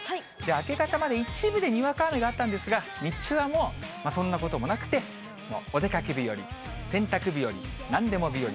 明け方まで一部でにわか雨があったんですが、日中はもう、そんなこともなくて、お出かけ日和、洗濯日和、なんでも日和。